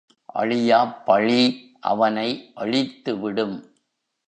அழியாப் பழி அவனை அழித்துவிடும்.